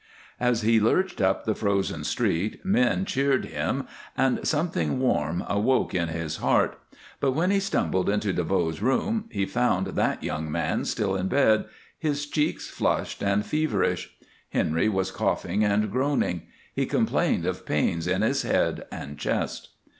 As he lurched up the frozen street men cheered him and something warm awoke in his heart, but when he stumbled into DeVoe's room he found that young man still in bed, his cheeks flushed and feverish. Henry was coughing and groaning; he complained of pains in his head and chest.